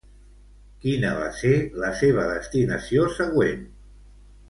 Quina va ser la seva destinació següent?